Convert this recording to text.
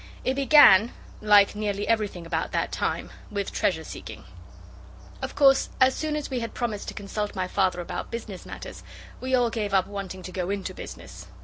It began, like nearly everything about that time, with treasure seeking. Of course as soon as we had promised to consult my Father about business matters we all gave up wanting to go into business.